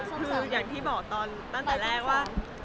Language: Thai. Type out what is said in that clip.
ไม่ผิดฝังเลยค่ะอย่างที่บอกตอนตั้งแต่แรกว่า